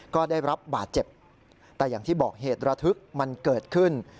ก็ได้รับบาดเจ็บแต่อย่างที่บอกเหตุระทึกมันเกิดขึ้น